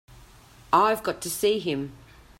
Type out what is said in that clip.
I've got to see him.